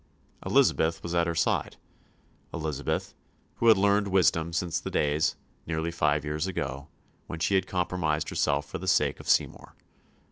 Elizabeth was at her side Elizabeth, who had learnt wisdom since the days, nearly five years ago, when she had compromised herself for the sake of Seymour.